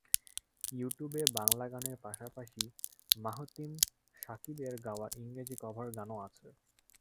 ইউটিউবে বাংলা গানের পাশাপাশি মাহতিম শাকিবের গাওয়া ইংরেজি কভার গানও আছে।